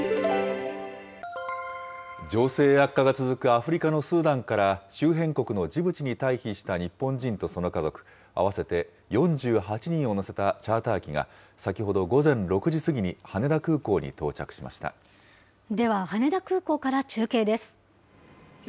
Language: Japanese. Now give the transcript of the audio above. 情勢悪化が続くアフリカのスーダンから、周辺国のジブチに退避した日本人とその家族、合わせて４８人を乗せたチャーター機が先ほど午前６時過ぎに羽田では、羽田空港から中継です。